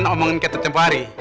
ngomongin kata kata tempoh hari